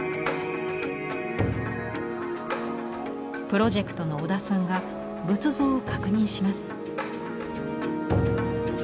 プロジェクトの織田さんが仏像を確認します。